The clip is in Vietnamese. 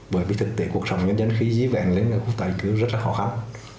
bởi vì thực tế cuộc sống nhân dân khi dí vẹn đến khu tài cứu rất là khó khăn